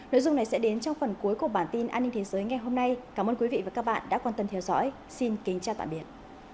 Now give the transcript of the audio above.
nội dung này sẽ đến trong phần cuối của bản tin an ninh thế giới ngày hôm nay cảm ơn quý vị và các bạn đã quan tâm theo dõi xin kính chào tạm biệt